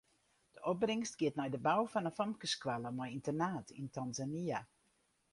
De opbringst giet nei de bou fan in famkesskoalle mei ynternaat yn Tanzania.